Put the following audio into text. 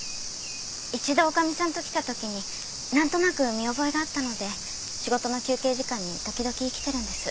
一度女将さんと来たときに何となく見覚えがあったので仕事の休憩時間に時々来てるんです。